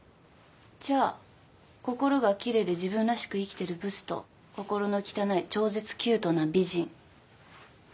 じゃあ心が奇麗で自分らしく生きてるブスと心の汚い超絶キュートな美人。